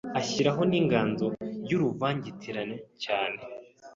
ashyiramo n’inganzo y’uruvangitirane cyane